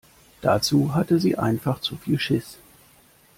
Dazu hatte sie einfach zu viel Schiss.